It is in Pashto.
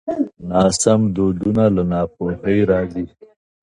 ناسم دودونه له ناپوهۍ راځي.